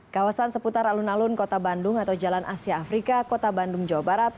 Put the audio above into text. kawasan seputar alun alun kota bandung atau jalan asia afrika kota bandung jawa barat